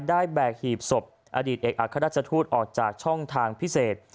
แบกหีบศพอดีตเอกอัครราชทูตออกจากช่องทางพิเศษ